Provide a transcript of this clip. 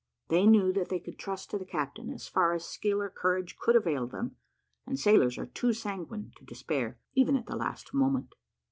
They knew that they could trust to the captain, as far as skill or courage could avail them; and sailors are too sanguine to despair, even at the last moment.